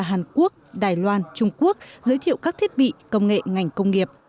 hàn quốc đài loan trung quốc giới thiệu các thiết bị công nghệ ngành công nghiệp